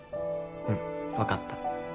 うん分かった。